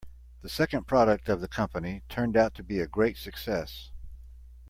The second product of the company turned out to be a great success.